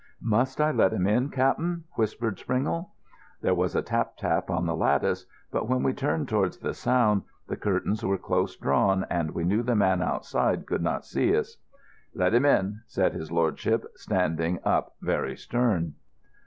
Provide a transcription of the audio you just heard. "Must I let him in, cap'n?" whispered Springle. There was a tap tap on the lattice, but when we turned towards the sound the curtains were close drawn and we knew the man outside could not see us. "Let him in," said his lordship, standing up very stern.